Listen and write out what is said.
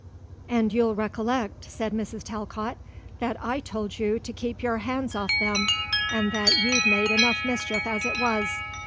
"And you'll recollect," said Mrs. Talcott, "that I told you to keep your hands off them and that you'd made enough mischief as it was.